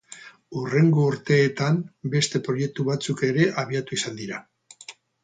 Hurrengo urteetan beste proiektu batzuk ere abiatu izan dira.